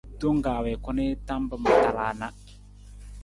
Tong kaa wii ku nii tam pa ma tala na.